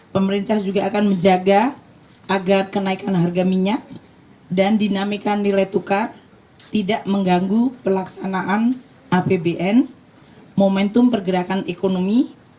pemerintah juga akan menjaga agar kenaikan harga minyak dan dinamika nilai tukar tidak mengganggu pelaksanaan apbn momentum pergerakan ekonomi